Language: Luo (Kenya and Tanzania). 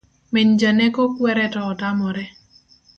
Min janeko kuere to otamore